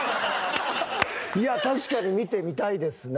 いや確かに見てみたいですね。